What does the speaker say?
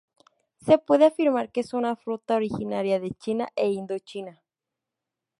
Se puede afirmar que es una fruta originaria de China e Indochina.